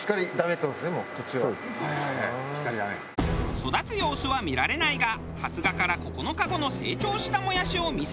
育つ様子は見られないが発芽から９日後の成長したもやしを見せてもらうと。